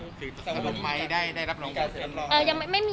คือตกลงไม้ได้รับรองบุตร